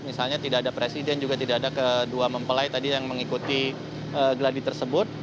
misalnya tidak ada presiden juga tidak ada kedua mempelai tadi yang mengikuti geladi tersebut